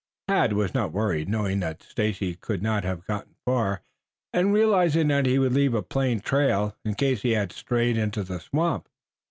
Tad was not worried, knowing that Stacy could not have gone far and realizing that he would leave a plain trail in case he had strayed into the swamp.